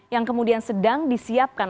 yang kemudian sedang disiapkan